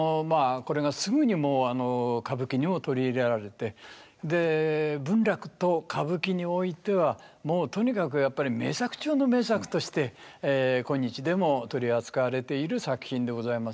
これがすぐにもう歌舞伎にも取り入れられてで文楽と歌舞伎においてはもうとにかくやっぱり名作中の名作として今日でも取り扱われている作品でございます。